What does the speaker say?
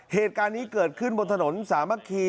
เหตุการณ์นี้เกิดขึ้นบนถนนสามัคคี